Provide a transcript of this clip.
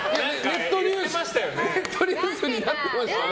ネットニュースになってましたね。